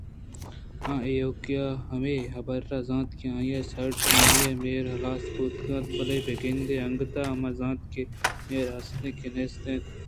آ ایوک ءَ ہمے حبرءَ زانت کہ آئیءُ سارٹونی ء ِمہر ہلاس بوتگ بلئے بہ گندے آ انگتءَمہ زانت کہ مہرے است کہ نیست اِنت